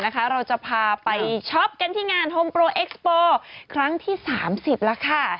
แต่ว่าวันนึงคือยังไงเลย